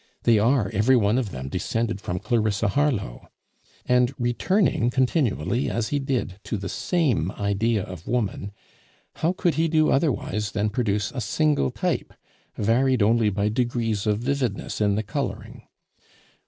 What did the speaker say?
They are, every one of them, descended from Clarissa Harlowe. And returning continually, as he did, to the same idea of woman, how could he do otherwise than produce a single type, varied only by degrees of vividness in the coloring?